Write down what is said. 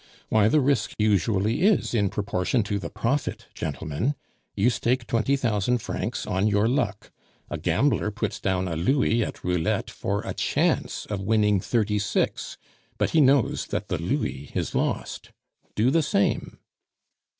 Why, the risk usually is in proportion to the profit, gentlemen. You stake twenty thousand francs on your luck. A gambler puts down a louis at roulette for a chance of winning thirty six, but he knows that the louis is lost. Do the same."